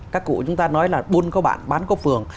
các cụ chúng ta nói là buôn có bạn bán có phường